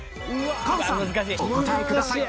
菅さんお答えください。